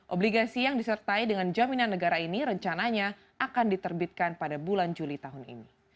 obligasi yang disertai dengan jaminan negara ini rencananya akan diterbitkan pada bulan juli tahun ini